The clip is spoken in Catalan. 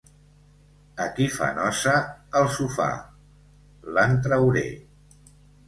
Aquí fa nosa, el sofà: l'en trauré.